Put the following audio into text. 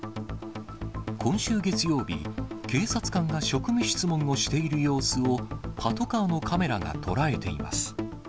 今週月曜日、警察官が職務質問をしている様子をパトカーのカメラが捉えています。